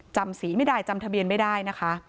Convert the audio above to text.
จำสีไม่ได้จำทะเบียนไม่ได้นะคะ